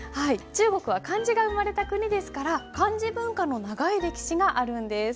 中国は漢字が生まれた国ですから漢字文化の長い歴史があるんです。